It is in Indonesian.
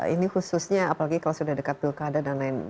ini khususnya apalagi kalau sudah dekat pilkada dan lain lain